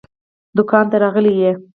دوکان ته راغلی يې؟